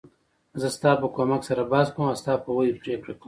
زه ستا په کومک سره بحث کوم او ستا په وحی پریکړه کوم .